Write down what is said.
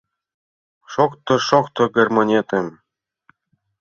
Шокто, шокто гармонетым